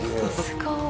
すごい！